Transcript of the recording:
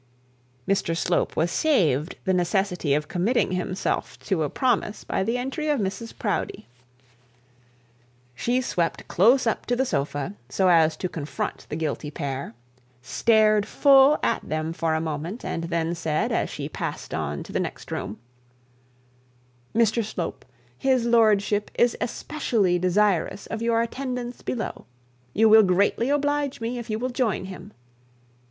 Mr Slope was saved the necessity of committing himself to a promise by the entry of Mrs Proudie. She swept close up to the sofa so as to confront the guilty pair, stared full at them for a moment, and then said as she passed on to the next room, 'Mr Slope, his lordship is especially desirous of your attendance below; you will greatly oblige me if you will join him.'